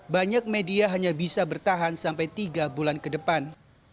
banyak media hanya bisa bertahan sampai tiga bulan kedepan